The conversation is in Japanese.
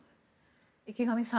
池上さん